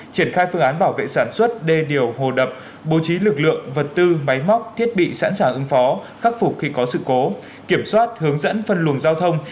triển khai phương án bảo vệ sản xuất đê điều hồ đập bố trí lực lượng vật tư máy móc thiết bị sẵn sàng ứng phó khắc phục khi có sự cố kiểm soát hướng dẫn phân luồng giao thông